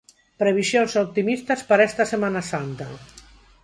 Previsións optimistas para esta Semana Santa.